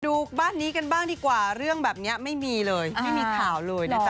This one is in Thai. ดูบ้านนี้กันบ้างดีกว่าเรื่องแบบนี้ไม่มีเลยไม่มีข่าวเลยนะจ๊